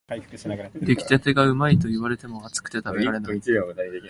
出来たてがうまいと言われても、熱くて食べられない